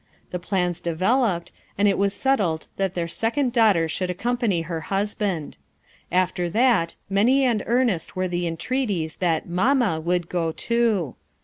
The plans de veloped, and it was settled that their second daughter should accompany her husband. After that, many and earnest were the entreat ies that "Mamma" would go, too.